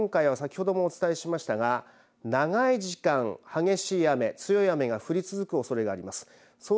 そして今回は先ほどもお伝えしましたが長い時間激しい雨強い雨が降り続くおそれがあります。